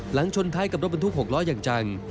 หลังชนท้ายกับรถบรรทุกหกล้อยังจัง